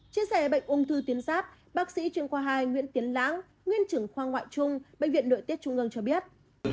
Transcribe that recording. chia sẻ bệnh ung thư tiến giáp bác sĩ chuyên khoa hai nguyễn tiến lãng nguyên trưởng khoa ngoại trung bệnh viện nội tiết trung ương cho biết